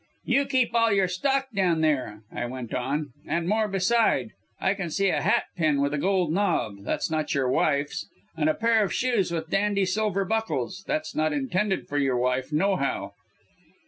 "'You keep all your stock down there,' I went on, 'and more beside. I can see a hat pin with a gold nob, that's not your wife's, and a pair of shoes with dandy silver buckles, that's not intended for your wife, nohow.'